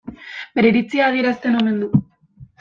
Bere iritzia adierazten omen du.